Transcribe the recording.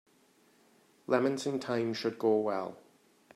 Lemons and thyme should go well.